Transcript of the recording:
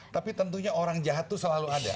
tapi tentunya orang jahat itu selalu ada